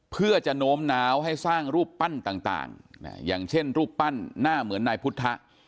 เพื่อจะโน้มน้าวให้สร้างรูปปั้นต่างอย่างเช่นรูปปั้นหน้าเหมือนนายพุทธ